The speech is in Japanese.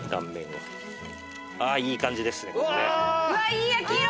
いい焼き色！